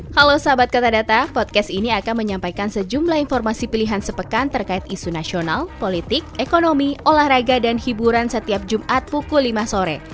halo sahabat kata podcast ini akan menyampaikan sejumlah informasi pilihan sepekan terkait isu nasional politik ekonomi olahraga dan hiburan setiap jumat pukul lima sore